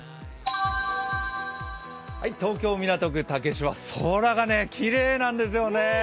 東京・港区竹芝空がきれいなんですよね。